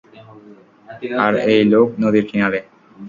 আর এই লোক নদীর কিনারে!